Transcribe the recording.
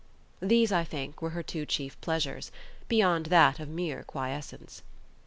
These, I think, were her two chief pleasures, beyond that of mere quiescence.